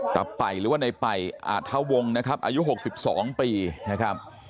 ไป่หรือว่าในป่ายอาทะวงนะครับอายุ๖๒ปีนะครับ